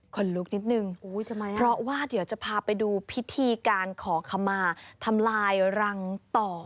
คนลุกนิดนึงเพราะว่าเดี๋ยวจะพาไปดูพิธีการขอขมาทำลายรังต่อ